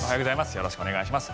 よろしくお願いします。